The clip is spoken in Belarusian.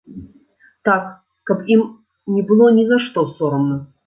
Так, каб ім не было ні за што сорамна.